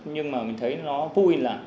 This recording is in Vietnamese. nhưng mà mình thấy nó vui là